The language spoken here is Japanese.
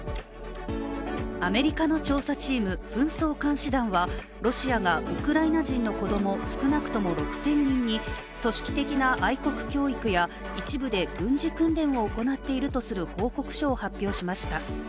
アメリカの調査チーム紛争監視団は、ロシアがウクライナ人の子供少なくとも６０００人に組織的な愛国教育や一部で軍事訓練などを行っているとする報告書を発表しました。